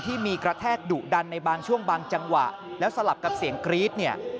ที่มีกระแทกดุดันในบางช่วงบางจังหวะแล้วสลับกับเสียงกรี๊ดเนี่ย